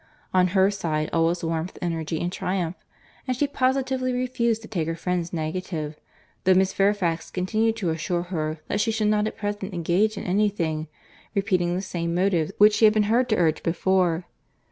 —On her side, all was warmth, energy, and triumph—and she positively refused to take her friend's negative, though Miss Fairfax continued to assure her that she would not at present engage in any thing, repeating the same motives which she had been heard to urge before.